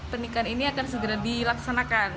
pernikahan ini akan segera dilaksanakan